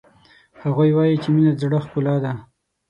هغوی وایي چې مینه د زړه ښکلا ده